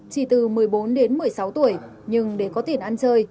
chỉ từ một mươi bốn đến một mươi sáu tuổi nhưng để có tiền ăn chơi